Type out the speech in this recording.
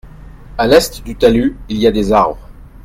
À l’est du talus il y a des arbres.